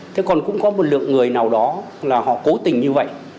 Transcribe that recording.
thế còn cũng có một lượng người nào đó là họ cố tình như vậy